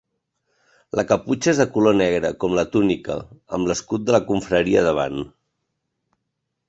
La caputxa és de color negre, com la túnica, amb l'escut de la Confraria davant.